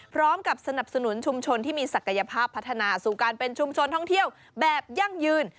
สนับสนุนชุมชนที่มีศักยภาพพัฒนาสู่การเป็นชุมชนท่องเที่ยวแบบยั่งยืน